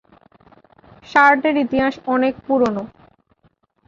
শার্টের ইতিহাস অনেক পুরোনো।